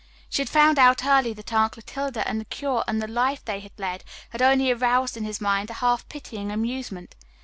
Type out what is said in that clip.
She had found out early that Aunt Clotilde and the curé and the life they had led, had only aroused in his mind a half pitying amusement.